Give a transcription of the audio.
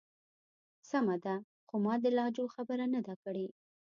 سمه ده. خو ما د لهجو خبره نه ده کړی.